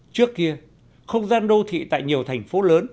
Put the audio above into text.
trước kia không gian đô thị tại nhiều thành phố lớn